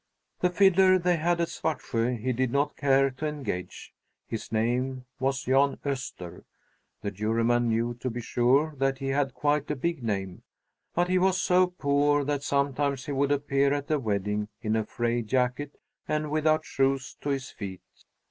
The fiddler they had at Svartsjö he did not care to engage. His name was Jan Öster. The Juryman knew, to be sure, that he had quite a big name; but he was so poor that sometimes he would appear at a wedding in a frayed jacket and without shoes to his feet.